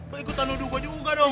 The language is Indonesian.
berikutan nudu gue juga dong